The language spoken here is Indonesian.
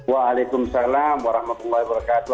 waalaikumsalam warahmatullahi wabarakatuh